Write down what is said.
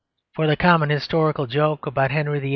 For the common historical joke about Henry VIII.